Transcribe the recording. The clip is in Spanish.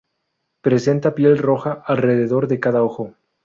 Presenta piel roja alrededor de cada ojo.